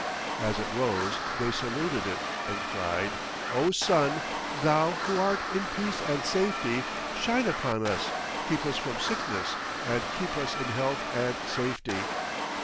As it rose they saluted it and cried: "O Sun! Thou who art in peace and safety, shine upon us, keep us from sickness, and keep us in health and safety.